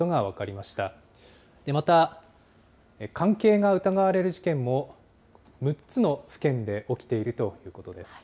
また、関係が疑われる事件も６つの府県で起きているということです。